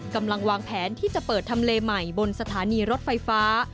กำลังวางแผนที่จะเปิดทำเลใหม่บนสถานีรถไฟฟ้า